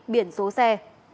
biển số xe